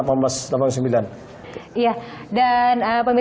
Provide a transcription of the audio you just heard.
dan pemerintah pvip pastinya masih banyak sekali destinasi wisata religi yang terbangun